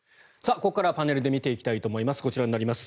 ここからはパネルで見ていきたいと思います。